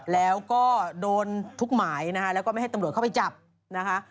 แล้วก็โดนทุกหมายนะคะแล้วก็ไม่ให้ตำรวจเข้าไปจับนะคะ